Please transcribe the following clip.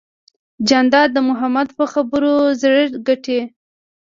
جانداد د محبت په خبرو زړه ګټي.